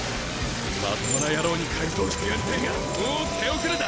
まともな野郎に改造してやりてぇがもう手遅れだ！